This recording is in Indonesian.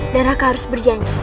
dan raka harus berjanji